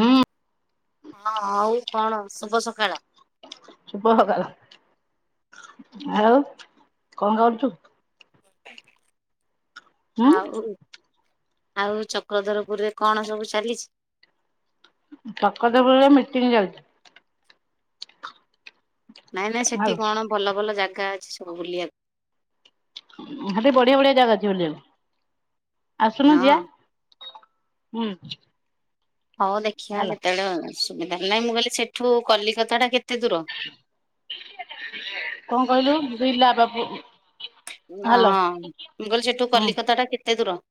ହୁଁ। ହଁ ଆଉ କଣ ଶୁଭ ସକାଳ। ଶୁଭ ସକାଳ ଆଉ କଣ କରୁଚୁ। ହୁଁ ଆଉ ଆଉ ଚକ୍ରଧରପୁରରେ କଣ ସବୁ ଚାଲିଚି। ଚକ୍ରଧ ପୁରରେ ମିଟିଂ ଚାଲିଚି। ନାଇଁ ନାଇଁ ସେଠି ହାଲୋ କଣ ଭଲ ଭଲ ଜାଗା ଅଛି ସବୁ ବୁଲିବାକୁ। ହେଠ ବଢିଆ ବଢିଆ ଜାଗା ଅଛି ବୁଲବାକୁ ଆସୁନୁ ଯିଆ। ହଁ। ହୁଁ। ହଉ ଦେଖିବା ହାଲୋ କେତେବେଳେ ସୁବିଧା ହେ ନାହିଁ ମୁଁ କହିଲି ସେଠୁ କଲିକତା ଟା କେତେ ଦୂର। କଣ କହିଲୁ [unintelligible] ଓ ହାଲୋ ହଁ ମୁଁ କହିଲି ସେଠୁ ହୁଁ କଲିକତା ଟା କେତେ ଦୂର?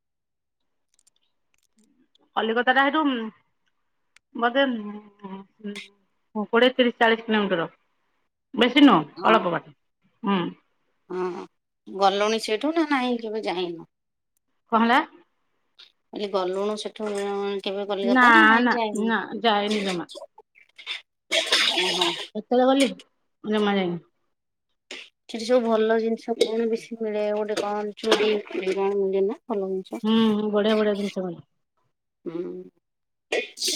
କଲିକତାଟା ହେଟୁ ବୋଧେ କୋଡ଼ିଏ ତିରିଶ ଚାଳିଶ କିଲୋମିଟର। ବେଶୀ ନୁହ ହଁ ଅଳପ ବାଟ ହୁଁ। ହଁ ଗଲୁଣି ସେଠୁ ନା ନାହିଁ କେବେ ଯାଇନୁ? କଁ ହେଲା? ମୁଁ କହିଲି ଗଲୁଣୁ ସେଠୁ କେବେ କଲିକତା ନା ନାଇଁ ଜାଇନୁ, ନା ଯାଇନି ଜମା ଓହୋ। କେତଳେ ଗଲି ଜମା ଯାଇନି। ସେଠି ସବୁ ଭଲ ଜିନିଷ କଣ ବେଶୀ ମିଳେ ଗୋଟେ କଣ ଚୋରି ହୁଏ କଣ ମିଳେ ନା ଭଲ ମ ହୁଁ ହୁଁ ବଢିଆ ବଢିଆ ଜିନିଷ ମିଳେ। ହୁଁ।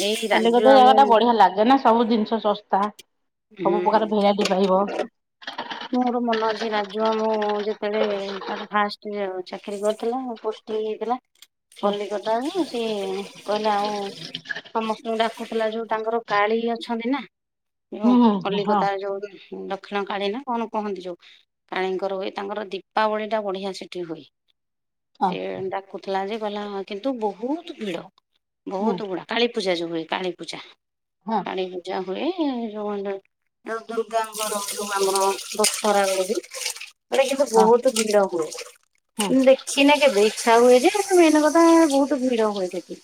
ଏଇ ରାଜୁ କଲିକତ୍ତା ଆମ ଜାଗା ଟା ବଢିଆ ଲାଗେ ନା ସବୁ ଜିନିଷ ଶସ୍ତା, ହୁଁ ସବୁ ପ୍ରକାର ଭେରାଇଟି ପାଇବ। ମୋ ମୋର ମନ ଅଛି ରାଜୁଆ ମୁଁ ଯେତେବେଳେ ତାର ଫାଷ୍ଟ ଚାକିରି କରିଥିଲା ପୋଷ୍ଟିଁ ହେଇଥିଲା ହୁଁ କଲିକତାରୁ ସେ କହିଲା ଆଉ ସମସ୍ତଙ୍କୁ ଡାକୁଥିଲା ଯୋଉ ତାଙ୍କର କାଳିୀ ଅଛନ୍ତି ନା ଯୋଉ ହୁଁ ହୁଁ ହଁ କଲିକତାର ଯୋଉ ଦକ୍ଷିଣ କାଳୀ ନା କଣ କୁହନ୍ତି ଯୋଉ କାଳିୀଙ୍କର ହୁଏ ତାଙ୍କର ଦୀପାବଳି ଟା ବଢିଆ ସେଠି ହୁଏ। ହଁ ସେ ଡାକୁଥିଲା ଯେ ଗଲା କିନ୍ତୁ ବହୁତ ଭିଡ ହୁଁ ବହୁତ ଗୁଡା କାୀପୂଜା ଯୋଉ ହୁଏ କାଳୀପୂଜା। ହଁ। କାଳୀ ପୂଜା ହୁଏ। ଯୋଉ ଦୁର୍ଗାଙ୍କର ଆମର ଦଶହରା ହୁଏ ବି ୟାଡେ କିନ୍ତୁ ହଁ ବହୁତ ଭିଡ ହୁଏ, ହୁଁ ଦେଖ ଖିନେ କେବେ ଇଛା ହୁଏ ଯେ ସେ ମେନ କଥା ବହୁତ ଭିଡ ହୁଏ ସେଠୀ।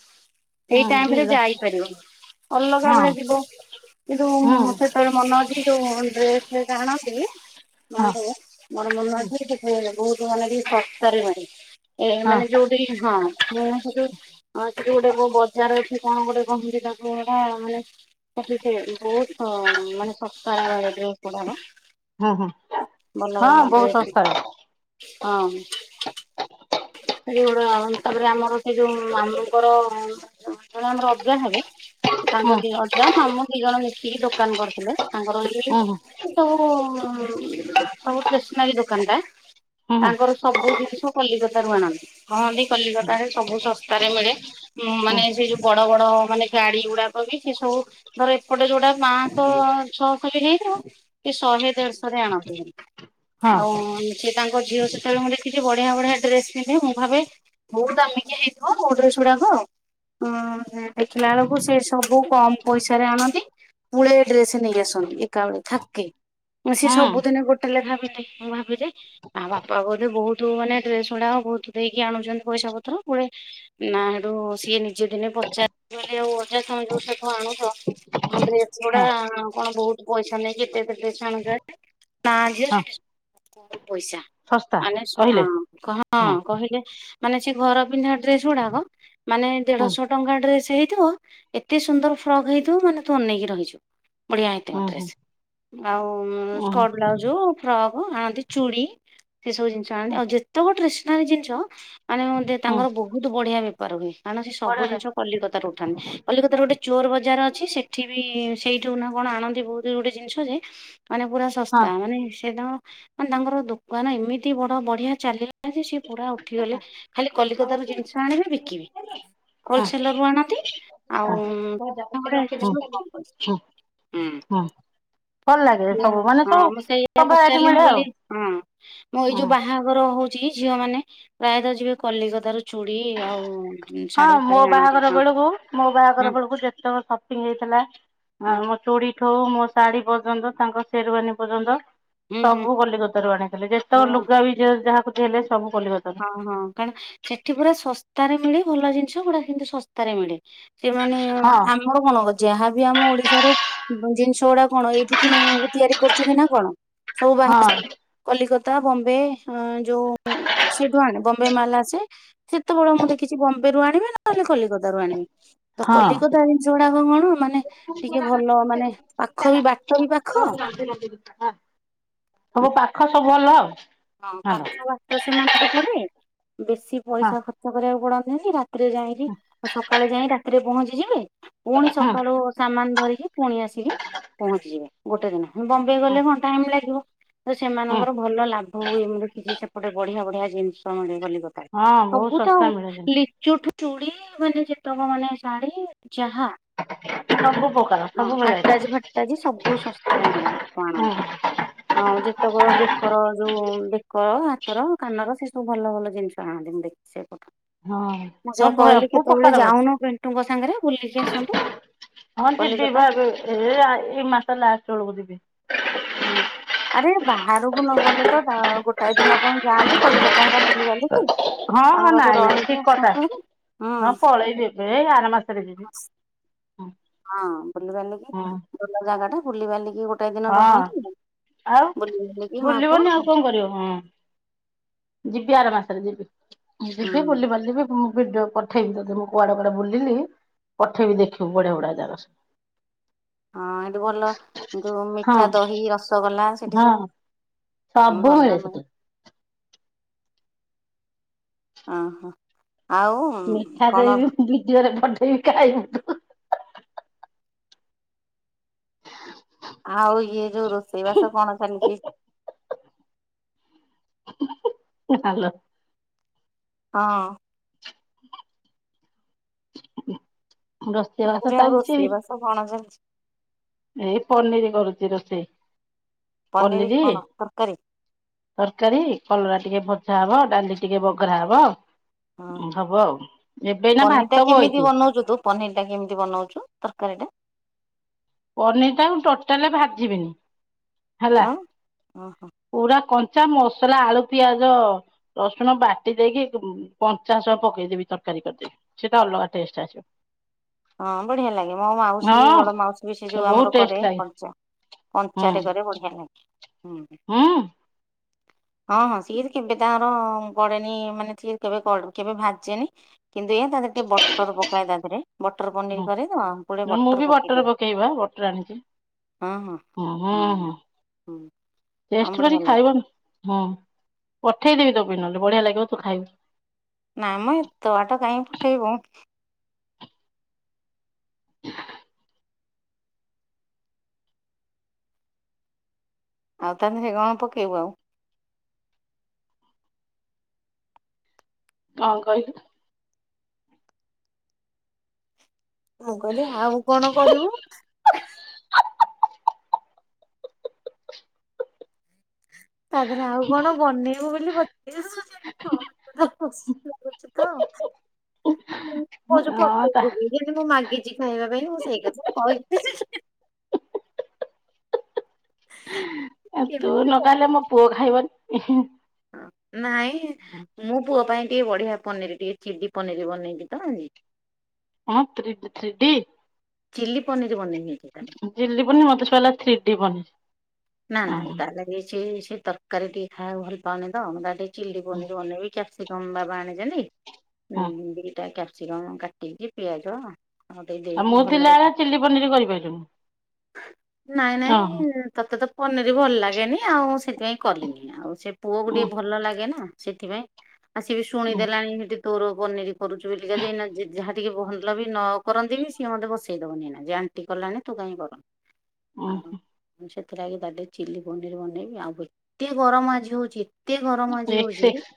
ଏଇ ହୁଁ ଟାଇମ ରେ ଦିଗୁଡା ଯାଇପାରିବନି ଅଲଗା ହଁ ବେଳେ ଯିବ, କିନ୍ତୁ ହୁଁ ମନ ଅଛି, ଯୋଉ ଡ୍ରେସ ଫ୍ରେସ୍ ଆଣନ୍ତି, ମନ ହଁ ରଖ୍ ମୋର ମନ ଅଛି। ମାନେ ହୁଁ ଟିକେ ସର୍ତ ରେ ନାହିଁ, ଏ ହଁ ମାନେ ଯୋଉଠି ହଁ ମୁଁ ସେ ହଁ ସେଠୁ ଗୋଟେ କୋଉ ବଜାର ଅଛି କଣ ଗୋଟେ କହନ୍ତୀ ତାକୁ ଏଇଟା ମାନେ ସେଠ ବହୁତ ମାନେ ଶସ୍ତାରେ ମିଳେ ଡ୍ରେସ ଗୁଡ଼ାକ। ହଁ ହଁ ହଁ ବହୁତ ଶସ୍ତାରେ। ହଁ। ସେଗୁଡା ତାପରେ ଆମର ସେ ଯୋଉ ମାମୁଁଙ୍କର କଣ ଆମର ଆଜ୍ଜା ହେବେ ତାଙ୍କ ହୁଁ ର ଦି ଅଜା ମାମୁଁ ଦି ଜଣ ମିଶିକି ଦୋକାନ କରିଥିଲେ, ତାଙ୍କର ଏଇ ହୁଁ ହୁଁ ସବୁ ସବୁ ଷ୍ଟେସନାରୀ ଦୋକାନ ଟା ହୁଁ ତାଙ୍କର ସବୁ ଜିନିଷ କଲିକ ତା ରୁ ଆଣନ୍ତି, କହନ୍ତି କଲିକତା ରେ ସବୁ ଶସ୍ତାରେ ମିଳେ। ଉଁ ହୁଁ ହୁଁ ମାନେ ସେ ଯୋଉ ବଡ ବଡ ମାନେ ଗାଡି ଗୁଡାକ ବି ସେ ସବୁ ଧର ଏପଟେ ଯୋଉଟା ପାଞ୍ଚଶହ ଛଅଶହ ବି ହେଇଥିବ କି ଶହେ ଦେଢଶହ ରେ ଆଣନ୍ତି। ଆଉ ହଁ ସିଏ ତାଙ୍କ ଝିଅ ସେତେବେଳେ ମୁଁ ଦେଖିଛି ବଢିଆ ବଢିଆ ଡ୍ରେସ ପିନ୍ଧେ, ମୁଁ ଭାବେ ବହୁତ ଦାମିକ ହେଇଥିବଆଉ ଡ୍ରେସ ଗୁଡାକ। ଉଁ ହୁଁ ଦେଖିଲା ବେଳକୁ ସେ ସବୁ କମ ପଇସାରେ ଆଣନ୍ତି। ପୁଳେ ଡ୍ରେସ ନେଇ ଆସନ୍ତି, ଏକା ବଳେ ଥାକେ। ସିଏ ହୁଁ ସବୁଦିନେ ଗୋଟେ ଲେଖା ପିନ୍ଧିକି ମୁଁ ଭାବିଲି ଯେ ତା ବାପା ବୋଧେ ବହୁତ ମାନେ ଡ୍ରେସ୍ ଗୁଡା ଆ ବହୁତ ଦେଇକି ଆଣୁଛନ୍ତି ପଇସା ପତ୍ର, ଗୁଡେ ନା ହେଡୁ ସିଏ ନିଜେ ଦିନେ ପଚାରଲେ ଆଉ ଅଜା ତମେ ଯୋଉଠୁ ଆଣୁଛ ହଁ ଡ୍ରେସ ଗୁଡା ହଁ କଣ ବହୁତ ପଇସା ନେଇକି ଏତେ ଏତେ ଡ୍ରେସ ଆଣୁଛ ହାରି ନା ଝିଅ ହଁ ସେଠୀ କମ୍ ପଇସା ଶସ୍ତା ମାନେ ହଁ କହିଲେ? ହଁ ହୁଁ କହିଲେ ମାନେ ସେ ଘର ପିନ୍ଧା ଡ୍ରେସ ଗୁଡାକ ମାନେ ହୁଁ ଦେଢଶହ ଟଙ୍କା ଡ୍ରେସ ହେଇଥିବ। ଏତେ ସୁନ୍ଦର ଫ୍ରକ୍ ହେଇଥିବ ମାନେ ତୁ ଅନକି ରହିଯିବୁ ବଢିଆ ହୁଁ ହେଇଥିବ ହୁଁ ଡ୍ରେସ। ଆଉ ଉଁ ହୁଁ ସ୍କଟ ବ୍ଲାଉଜ ଫ୍ରକ୍ ଆଣନ୍ତି ଚୁଡ଼ି ସେ ସବୁ ଜିନିଷ ଆଣନ୍ତି ହୁଁ ଆଉ ଯେତେକ ଟେସନାରୀ ଜିନିଷ ମାନେ ହୁଁ ତାଙ୍କର ବହୁତ ବଢିଆ ବେପାର ହୁଏ କାରଣ ସେ ବଢିଆ ସବୁ ଲାଗେ ଜିନିଷ କଲିକତାରୁ ଉଠାନ୍ତି। କଲିକତାର ଗୋଟେ ଚୋର ବଜାର ଅଛି ସେଠି ବି ସେଇଠୁ ନା କଣ ଆଣନ୍ତି ବହୁତ ଗୋଟେ ଜିନିଷ ଯେ ମାନେ ପୁରା ହଁ ଶସ୍ତା ମାନେ ସେତାଙ୍କର ମାନେ ତାଙ୍କର ଦୋକାନ ଏମିତି ବଡ ବଢିଆ ଚାଲିଗଲା ଜେ ସିଏ ପୁରା ଉଠିଗଲେ ଖାଲି କଲିକତା ରୁ ଜିନିଷ ଆଣିବେ ବିକିବେ। ହଁ ହୋଲସେଲ ରୁ ଆଣନ୍ତି ଆଉ ହୁଁ। ହୁଁ ହୁଁ ଭଲ ଲାଗେ ସେଇଆ ସବୁ ମାନେ ହଁ ସବୁ ମୁଁ ସେଇଆ ସବୁ ଭେରାଇଟି ପଚାରିଲି ମୁଁ ମିଳେ ଆଉ କହିଲି ହଁ ମୁଁ ଏଇ ଯୋଉ ହଁ ବାହାଘର ହଉଚ ଚି ଝିଅ ମାନେ ପ୍ରାୟତଃ ଯିବେ କଲିକତାରୁ ଚୁଡ଼ି ଆଉ ହଁ ଶାଢୀ ମୋ ଫାଢୀ ଆଣନ୍ତି ବାହାଘର ହଁ ବେଳକୁ ମୋ ହଁ ବାହାଘର ବେଳକୁ ଯେତେକ ସପିଙ୍ଗ୍ ହେଇଥିଲା ଆ ହଁ ମୋ ଚୁଡି ଠୁ ମୋ ଶାଢୀ ପର୍ଯ୍ୟନ୍ତ ତାଙ୍କ ସେରୱାନୀ ପର୍ଯ୍ୟନ୍ତ ହୁଁ ହୁଁ ସବୁ କଲିକତାରୁ ଆଣିଥିଲେ ଯେତେକ ହଁ ଲୁଗା ବି ଜେ ଯାହାକୁ ଦେଲେ ସବୁ କଲିକତାରୁ ଓ ହଁ କାରଣ ସେଠି ପୁରା ଶସ୍ତାରେ ମିଳେ ଭଲ ଜିନିଷ ପୁରା କିନ୍ତୁ ଶସ୍ତାରେ ମିଳେ। ସେମାନେ ହଁ ଆମ ଆମର କଣ ଯାହାବି ଆମ ଓଡିଶାରେ ଜିନିଷ ଗୁଡା କଣ ଏଇଠୁ କିଣୁ ତିଆରି କରୁଚନ୍ତି ନା କଣ ସବୁ ହଁ ବାହାର କଲିକତା ବମ୍ବେ ଉଁ ଯଉ ସେଠୁ ଆଣିବେ ବମ୍ବେ ମାଲ୍ ଆସେ ସେତେବେଳେ ମୁଁ ଦେଖିଚି ବମ୍ବେରୁୁ ଆଣିବେ ନହେଲେ କଲିକତା ରୁ ଆଣିବେ। ତ ହଁ କଲିକତା ଜିନିଷ ଗୁଡାକ କଣ କଲୁ ମାନେ ଟିକେ ଭଲ ମାନେ ପାଖ ବି ବାଟ ବି ପାଖ [unintelligible] ସବୁ ପାଖ ସବୁ ଭଲ ଆଉ। ହଁ ଭଲ ପାଖ ବାଟ ସେମାନଙ୍କୁ ପଡେ ବେଶୀ ହଁ ପଇସା ଖର୍ଚ୍ଚ କରିବାକୁ ପଡନ୍ତିନି ରାତ ତିରେ ଯାଇଁକି ସକାଳେ ଯାଇଁ ରାତିରେ ପହଞ୍ଚିଯିବେ ପୁଣି ହୁଁ ସକାଳୁ ସାମାନ ଧରିକି ପୁଣି ଆସିକି ପହଞ୍ଚିଯିବେ ଗୋଟେ ଦିନ ବମ୍ବେ ହୁଁ ଗଲେ କଣ ଟାଇମ ଲାଗିବ। ତ ହୁଁ ସେମାନଙ୍କର ଭଲ ଲାଭ ହୁଏ ମୁଁ ଦେଖିଚି ସେପଟେ ବଢିଆ ବଢିଆ ଜିନିଷ ମିଳେ କଲିକ ତାରେ ହଁ ବହୁତ ସବୁ ତ ଶସ୍ତା ଆଉ ମିଳେ ଜିନିଷ ଲି ଚୁଠୁ ଚୁଡ଼ି ମାନେ ଯେତେ ମାନେ ଶାଢୀ ଯାହା ସବୁ ପ୍ରକାର ହଁ ସବୁ ଭେରାଇଟି ଆଟାଜ ଫାଟାଜ ସବୁ ଶସ୍ତାରେ ମିଳେ ସେଟୁ ହଁ ଆଣନ୍ତି। ଆଉ ଯେତେକ ବେକର ଯୋଉ ବେକ ହାତର କାନର ସେ ସବୁ ଭଲ ଭଲ ଜିନିଷ ଆଣନ୍ତି ମୁଁ ଦେଖିଚି ସେପଟୁ। ହଁ। ମୁଁ ଯାହା ସବୁ କହିଲି ସବୁ କେତେବେଳେ ପ୍ରକାର ଭେରାଇଟି ଯାଉନୁ ପିଣ୍ଟୁ ଙ୍କ ସାଙ୍ଗରେ ବୁଲିକି ଆସନ୍ତୁ। ହଁ ଯିବି କଲିକତା ବା ଏବେ ଏ ଆ ଏଇ ମାସ ଲାଷ୍ଟ ବେଳୁକୁ ଯିବି। ହଁ ଆରେ ବାହାରକୁ ନ ଗଲେ ତ ବା ଗୋଟାଏ ଦିନ ପାଇଁ ଯାଆନ୍ତୁ କଲିକତା ତା ହେରିକା ବୁଲିବାଲିକି ହଁ ହଁ ତାଙ୍କ ପାଖରେ ନାଇଁ ନାଇଁ ରହିକି ଆସନ୍ତୁ ହାରି ହୁଁ। ଏ ଆର ମାସରେ ଯିବି। ହଁ ବୁଲି ବାଲିକି ହଁ ଭଲ ଜାଗା ଟା ବୁଲି ବାଲିକି ଗୋଟ ଗୋଟାଏ ଦିନ ହଁ ରହନ୍ତୁ ଆଉ ବୁଲା ବାଲିକି ମା ପୁଅ ବୁଲିବନି ଆଉ କଣ କରିବ ହଁ ଯିବି ଆର ମାସରେ ଯିବି ହୁଁ ଯିବି ବୁଲି ବାଲିବି ଫୁ ଭିଡ଼ିଓ ପଠେଇବି ତତେ ମୁଁ କୁଆଡେ କୁଆଡେ ବୁଲିଲି ପଠେଇବି ଦେଖିବୁ ବଢିଆ ବଢିଆ ଜାଗା ସବୁ। ହଁ ଏଠି ଭଲ ଯୋଉ ହଁ ମିଠା ଦହି ରସଗୋଲା ସେଠି ହଁ ସବୁ ସବୁ ମିଳେ ସେଠୀ। ଅଁ ହଁ ଆଉ ମିଠା କଣ ଦହିବି ମୁଁ ଭିଡ଼ିଓ ରେ ପଠେଇବି ଖାଇବୁୁ ତୁ। ଆଉ ଇଏ ଯୋଉ ରୋଷେଇ ବାସ କଣ ଚାଲିଚି? ହାଲୋ। ହଁ। ରୋଷେଇ ମୁଁ ବାସ କହିଲି ଆଉ ଚାଲିଚି। [unintelligible] ଏଇ ପନିରି କରୁଚି ରୋଷେଇ। ପନିର ପନିରି କଣ ତରକାରୀ ତରକାରୀ, କଲରା ଟିକେ ଭଜା ହବ ଡାଲି ଟିକେ ବଘରା ହବ। ହଁ ଉଁ ହବ ଆଉ। ଏବେ ଏଇନା ପନିର ଟା ଭାତ କେମିତି ବଇଚି। ବନଉଛୁ ତୁ ପନିର ଟା କେମିତି ବନଉଚୁ ତରକାରୀ ଟା? ପନିର୍ ଟାକୁ ଟୋଟାଲେ ଭାଜିବିନି ହେଲା। ଆଉ ଓହୋ ପୁରା କଞ୍ଚା ମସଲା ଆଳୁ ପିଆଜ ରସୁଣ ବାଟି ଦେଇକି କଞ୍ଚାଶହ ପକେଇଦେବି ତରକାରୀ କରିଦେବି। ସେଟା ଅଲଗା ଟେଷ୍ଟ ଆସିବ। ହଁ ବଢିଆ ଲାଗେ। ମୋ ମାଉସୀ ବି ବଡ ହଁ ମାଉସୀ ବି ସେ ଯୋଉ ବହୁତ ଆମର ଟେଷ୍ଟ କରେ, ଲାଗେ କଞ୍ଚା ହୁଁ କଞ୍ଚାରେ କରେ ବଢିଆ ଲାଗେ। ହୁଁ। ହୁଁ [inaudible] ହଁ ହଁ ସିଏ କେବେ ତାଙ୍କର ପଡେନି ମାନେ ସିଏ କେବେ କଡ୍ କେବେ ଭାଜେନି। କିନ୍ତୁ ଏଇଆ ତା ଦେହରେ ଟିକେ ବଟର ପକାଏ ତା ଦେହରେ। ବଟର ପନିର ନା କରେ ତ ପୁଳେ ମୁଁ ବି ପକେଇଦିଏ ବଟର ପକେଏ ବା ବଟର ଆଣିିଚି। ହଁ ହଁ। ହ ହଁ ହଁ ହୁଁ ହଁ ଟେଷ୍ଟ ବଢିଆ କରିକି ଲାଗେ ଖାଇବନି। ହଁ ପଠେଇଦେବି ତୋ ପାଇଁ ନହେଲେ। ବଢିଆ ଲାଗିବ ତୁ ଖାଇବୁ। ନାଇଁ ମ ଏତେ ବାଟ କାଇଁ ପଠେଇବୁ। [inaudible] ଆଉ ତାହେଲେ ସେ କଣ ପକେଇବୁ ଆଉ? କଣ କହିଲୁ? ମୁଁ କହିଲି ଆଉ କଣ କରିବୁ? ତା ଦେହରେ ଆଉ କଣ ବନେଇବୁ ବୋଲି ପ। [unintelligible] [unintelligible] ଲାଗୁଚି ତ। [unintelligible] କହୁଚୁ ହଁ ତା ପଠେଇଦେବି। ମୁଁ କହିଲି ମୁଁ ମାଗିଚି ଖାଇବା ପାଇଁ ମୁଁ ସେଇ କଥା କହି। [unintelligible] ଆଉ ତୁ କେମିତି ନ ଖାଇଲେ ମୋ ପୁଅ ଖାଇବନି। ନାଇଁ ମୁଁ ପୁଅ ପାଇଁ ଟିକେ ବଢିଆ ପନିର ଟିକେ ଚିଲି ପନିର ବନେଇବି ତ ଆଜି। ହଁ ତ୍ରି ଟି ଥ୍ରୀ ଡି। ଚିଲ୍ଳି ପନିରି ବନେଇବି। ଚିଲି ପନିର୍ ମତେ ଶୁଭାଗଲା ଥ୍ରୀ ଡି ପନିର୍। ନା ନା ତା ଲାଗି ସେ ସେ ତରକାରୀ ଟିକେ ଖାଇବାକୁ ଭଲ ପାଉନି ତ ମୁଁ ତାକୁ ଟି ଚିଲି ପନିର୍ ବନେଇବି କ୍ୟାପସିକମ ବାବା ଆଣିଛନ୍ତି। ହଁ ଉଁ ଦିଟା କ୍ୟାପ୍ସିକମ କା ଟିକି ପିଆଜ ଆଉ ଟିକେ ଆଉ ଦେଇକି ମୁଁ ଭଲରେ ଥିଲାବେଳେ ଚିଲି ପନିର କରିପାରିଲୁନି ନାଇଁ ଓହୋ ନାଇଁ ତତେ ତ ପନିରି ଭଲ ଲାଗେନି ଆଉ ସେଥିପାଇଁ କଲିନି। ଆଉ ସେ ପୁଅକୁ ଉଁ ଟିକେ ଭଲ ଲାଗେ ନା ସେଥିପାଇଁ ଆ ସିଏ ବି ଉଁ। ଶୁଣିଦେଲାଣି ହେଠି ତୋର ପନିରି କରୁଚୁ ବୋଲିକା ଯେ ଏଇନା ଯାହା ଟିକେ ଭଲ ବି ନ କରନ୍ତି ବି ସିଏ ମତେ ବସେଇଦବନି ଏଇନା। ଯାଣି ଆଣ୍ଟି କଲାଣି ତୁ କାଇଁ କରୁନୁ। ଅ ଆଉ ହଁ। ମୁଁ ସେଥିଲାଗି ତାର ଟିକେ ଚିଲି ପନିର୍ ବନେଇବି। ଏତେ ଗରମ ଆଜି ହଉଚି। ଏତେ ଗରମ ଆଜି ଏକ୍ସ ହଉଚି। ଏକ୍ସ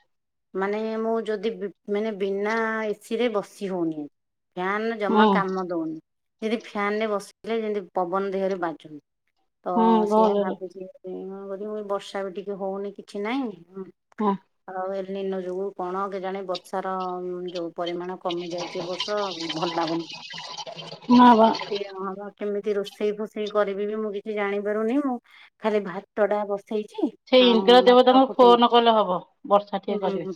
ମାନେ ମୁଁ ଯଦି ବି ମାନେ ବିନା ଏସି ରେ ବସି ହଉନି। ଫ୍ୟାନ୍ ହୁଁ ଜମା କାମ ଦଉନି। ଯେଦି ଫ୍ୟାନରେ ବସିଲେ ଯେମତି ପବନ ଦେହରେ ବାଜୁନି ତ ହୁଁ ବହୁତ ଜୋରେ [unintelligible] ବର୍ଷା ବି ଟିକେ ହୋଉନି କିଛି ନାଇଁ। ହଁ। ଆଉ ଏ ନିିନ ଯୋଗୁ କଣ କେଜାଣି ବର୍ଷାର ଯୋଉ ପରିମାଣ କମି ଯାଇଚି ଏ ବର୍ଷ ଭଲ ଲାଗୁନି ହଁ ବା ଯେମିତି କି ଆ ହଁ ପା କେମିତି ରୋଷେଇ ଫୋଷେଇ କରିବି ବି ମୁଁ କିଛି ଜାଣିପାରୁନି। ହୁଁ ଖାଲି ଭାତଟା ବସେଇଚି। ସେଇ ଇନ୍ଦ୍ର ଦେବତାଙ୍କୁ ଫୋନ କଲେ ହବ ବର୍ଷା ହୁଁ ଟିକେ କରିବେ। ହୁଁ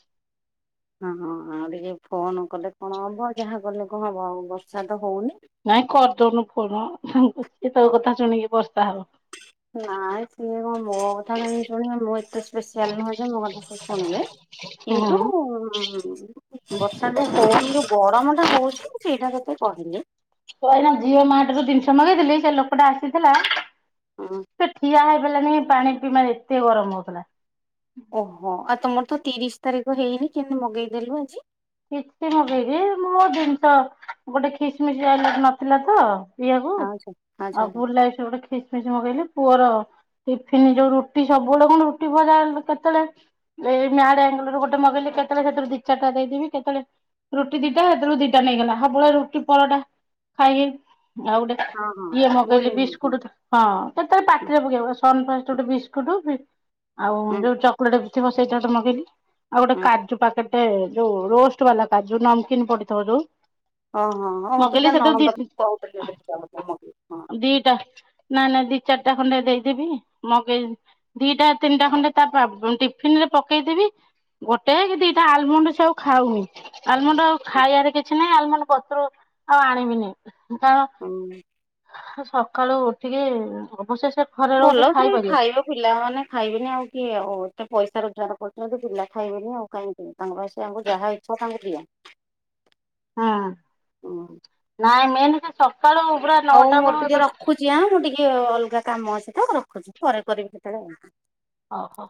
ହଁ ହଁ ଆଉ ଟିକେ ଫୋନ କଲେ କଣ ହବ ଯାହା କଲେ କଣ ହବ ଆଉ ବର୍ଷା ତ ହୋଉନି। ନାଇଁ କରିଦୋଉନୁ ଫୋନ ସିଏ ତୋ କଥା ଶୁଣିକି ବର୍ଷା ହବ। ନାଇଁ ସିଏ ମୋ କଁ କଥା କାଇଁ ଶଣିବ ମୁଁ ଏତେ ସ୍ପେସିଆଲ ନୁହେଁ ଯେ ମୋ କଥା ସେ ଶୁଣିବେ। କିନ୍ତୁ ହୁଁ। ଉଁମ୍ ବର୍ଷାଟା ହୋଉନି ଯୋଉ ଗରମଟା ହୋଉଚି ମୁଁ ସେଇଟା ତତେ କହିଲି। କଇନା ଜିଓ ମାଟରୁ ଜିନିଷ ମଗେଇଥିଲି ସେ ଲୋକଟା ଆସିଥିଲା ହଁ ସେ ଠିଆ ହେଇ କଇଲା ନେ ପାଣି ପିଇ ମାନେ ଏତେ ଗରମ ହୋଉଥିଲା। ଓହୋ ଆଉ ତମର ତ ତିରିଶ ତାରିଖ ହେଇନି କେମତି ମଗେଇଦେଲୁ ଆଜି। କିଛି ମଗେଇଚି ମୋ ଦିନଷ ଗୋଟେ ଖିସମିସ୍ ଆଇଲା ନଥିଲା ତ। ପିଇଆକୁ ଆଚ୍ଛା ଆଚ୍ଛା ଆଉ ହଁ ଫୁଲାଇସ ଗୋଟେ ଖିସମିସ୍ ମଗେଇଲି ପୁଅର ଟିଫନ୍ ଯୋଉ ରୁଟି ସବୁବେଳେ କଣ ରୁଟି ଭଜା କେତେଳେ ଏଇ ମ୍ୟାଡ ଆଙ୍ଗଲରୁ ଗୋଟେ ମଗେଇଲେ କେତେଳେ ସେଥିରୁ ଦିଇ ଚାରଟା ଦେଇଦେବି। କେତୋଳେ ରୁଟି ଦିଟା ହେଥିରୁ ଦିଟା ନେଇଗଲା ସବୁବେଳେ ରୁଟି ପରଟା ଖାଇକି ଆଉ ଗୋଟେ ହଁ ଇଏ ମଗେଇଲି ବୋରିଂ ହୁଁ ବିସ୍କୁଟଟେ ହଁ କେତୋଳେ ପାଟିରେ ପକେଇ ସନଫାଷ୍ଟର ଗୋଟେ ବିସ୍କୁଟ ବି ଆଉ ହୁଁ ଯୋଉ ଚ କୁକୁଡାଟେ ବି ଥିବ ସେଇଟା ତାର ମଗେଇଲି ଆଉ ହୁଁ ଗୋଟେ ପାକେଟଟେ ଯୋଉ ରୋଷ୍ଟ ବାଲା କାଜୁ ନାମକିନ୍ ପଡିଥିବ ଯୋଉ ଓଁ ହଁ ହଁ ହଁ ତୁ ମଗେଇଲି ଜା ସେଥିରୁ ନଣନ୍ଦ କୋହୁଥିଲେ [unintelligible] ବୋଲି ମଗେଇ ହଁ। ଦିଇଟା ନାଇଁ ନାଇଁ ଦି ଚାରିଟା ଖଣ୍ଡେ ଦେଇଦେବି ମଗେଇ ଦିଇଟା ତିନିଟା ଖଣ୍ଡେ ତା ପା ଟିଫିନରେ ପକେଇ ଦେବି ଗୋଟେ କି ଦିଟା ଆଲମଣ୍ଡ ସେଉ ଖାଉନି ଆଲମଣ୍ଡ ଆଉ ଖାଇବାରେ କିଛି ନାହିଁ ଆଲମଣ୍ଡ ପତ୍ର ଆଉ ଆଣିବିନି କାରଣ ହୁଁ। ସକାଳୁ ଟିକେ ଅବଶେଷ ଭଲ ପୁରା ଏଇ ଖାଇବା ପିଲାମାନେେ ଖାଇବେନି ଆଉ କିଏ ଆଉ ଏତେ ପଇସା ରୋଜଗାର କରୁଚନ୍ତି ପିଲ ଖାଇବେନି ଆଉ କାହିଁ ଇଁ ତାଙ୍କ ପାଇଁ ସେ ତାଙ୍କୁ ଯାହା ଇଚ୍ଛା ତାଙ୍କୁ ଦିଆ। ହଁ ନାଇଁ ମେନ୍ ସେ ସକାଳୁ ପୁରା ନଅଟା ବେଳୁ ଏପ ଯାଆନ୍ତୁ ଟିକିଏ ଅଲଗା କାମ ଅଛି ତ ରଖୁଚି ପରେ କରିବି କେତଳେ। ଓହୋ।